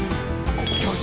「よし！